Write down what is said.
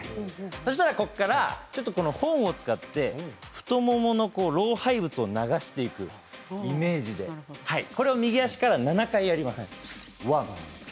そうしたらここから本を使って太ももの老廃物を流していくイメージで右足から７回やります。